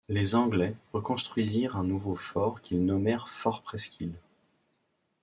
Les Anglais reconstruisirent un nouveau fort qu’il nommèrent Fort Presque Isle.